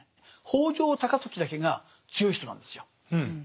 北条高時だけが強い人なんですよ。